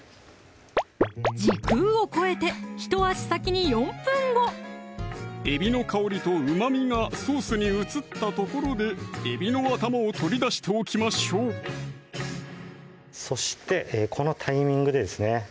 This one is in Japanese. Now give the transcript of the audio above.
時空を超えてひと足先に４分後えびの香りとうまみがソースに移ったところでえびの頭を取り出しておきましょうそしてこのタイミングでですね